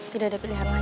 tidak ada pilihan lain